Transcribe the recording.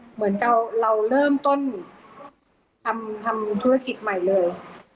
เหมือนกับเราเริ่มต้นทำธุรกิจใหม่เลย